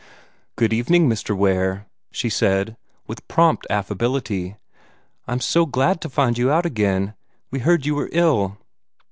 "Good evening, Mr. Ware," she said, with prompt affability. "I'm so glad to find you out again. We heard you were ill."